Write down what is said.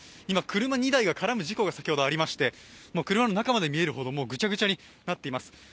今、車２台が絡む事故が先ほどありまして車の中まで見えるほどぐちゃぐちゃになっています。